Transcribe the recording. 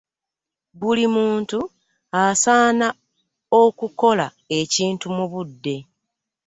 Buli muntu asaana okulola ekintu mu budde.